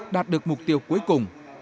đạt được mục tiêu cuối cùng